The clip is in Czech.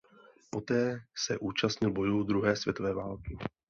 Poté se účastnil bojů druhé světové války.